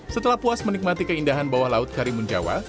setelah puas menikmati keindahan bawah laut karimun jawa